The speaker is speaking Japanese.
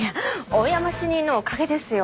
大山主任のおかげですよ。